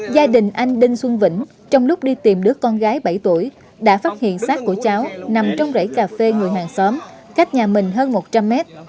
gia đình anh đinh xuân vĩnh trong lúc đi tìm đứa con gái bảy tuổi đã phát hiện sát của cháu nằm trong rẫy cà phê người hàng xóm cách nhà mình hơn một trăm linh mét